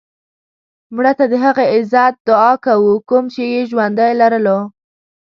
مړه ته د هغه عزت دعا کوو کوم یې چې ژوندی لرلو